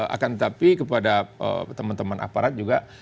akan tetapi kepada teman teman aparat juga